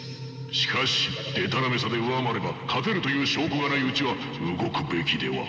しかしでたらめさで上回れば勝てるという証拠がないうちは動くべきでは。